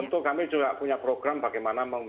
tentu kami juga punya program bagaimana